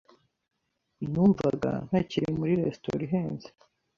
Numvaga ntakiri muri resitora ihenze.